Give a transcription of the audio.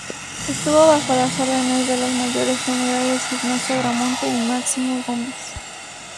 Estuvo bajo las órdenes de los Mayores generales Ignacio Agramonte y Máximo Gómez.